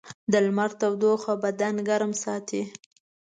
د لمر تودوخه بدن ګرم ساتي.